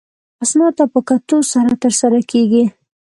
اسنادو ته په کتو سره ترسره کیږي.